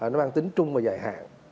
nó mang tính trung và dài hạn